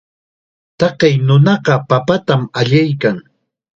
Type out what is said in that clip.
Taqay nunaqa papatam allaykan.